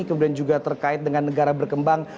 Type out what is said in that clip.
kemudian juga terkait dengan negara berkembang